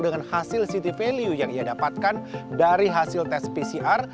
dengan hasil city value yang ia dapatkan dari hasil tes pcr